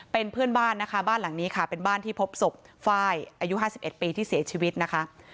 เป็นเพื่อนบ้านนะคะบ้านหลังนี้ค่ะเป็นบ้านที่พบศพไฟล์อายุ๕๑ปีที่เสียชีวิตนะคะ